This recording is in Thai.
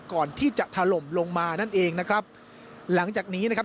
ก่อนที่จะถล่มลงมานั่นเองนะครับหลังจากนี้นะครับ